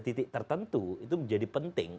titik tertentu itu menjadi penting